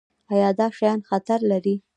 ایا دا شیان خطر لري؟